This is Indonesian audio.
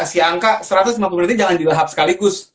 si angka satu ratus lima puluh detik jangan dilahap sekaligus